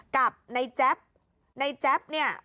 กับในแจ๊บในแจ๊บเนี่ย